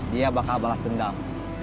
dia bakal balas dendam